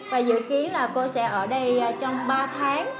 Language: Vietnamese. và dự kiến là cô sẽ ở đây trong ba tháng